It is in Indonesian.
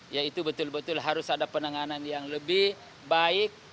ya itu betul betul harus ada penanganan yang lebih baik